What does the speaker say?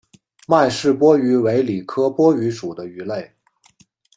麦氏波鱼为鲤科波鱼属的鱼类。